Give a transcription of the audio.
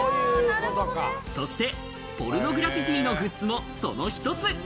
そして、ポルノグラフィティのグッズもその一つ。